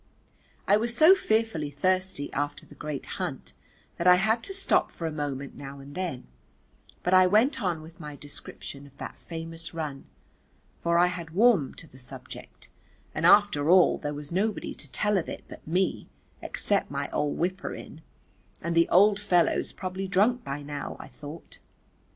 I was so fearfully thirsty after the great hunt that I had to stop for a moment now and then, but I went on with my description of that famous run, for I had warmed to the subject, and after all there was nobody to tell of it but me except my old whipper in, and "the old fellow's probably drunk by now," I thought.